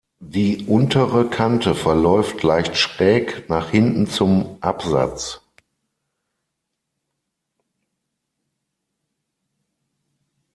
Die untere Kante verläuft leicht schräg nach hinten zum Absatz.